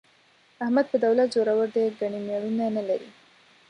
احمد په دولت زورو دی، ګني مېړونه نه لري.